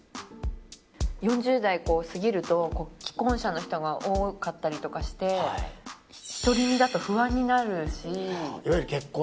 ４０代過ぎると既婚者の人が多かったりして１人身だと不安になるし。